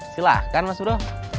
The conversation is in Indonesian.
silahkan mas bro